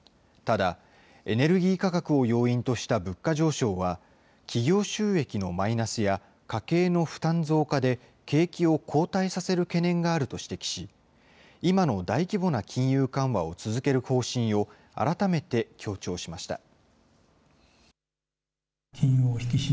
ただ、エネルギー価格を要因とした物価上昇は、企業収益のマイナスや家計の負担増加で景気を後退させる懸念があると指摘し、今の大規模な金融緩和を続ける方針を、改めて強調しました。